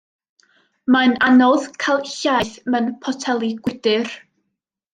Mae'n anodd cael llaeth mewn poteli gwydr.